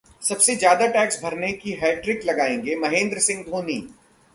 सबसे ज्यादा टैक्स भरने की हैट्रिक लगाएंगे महेंद्र सिंह धोनी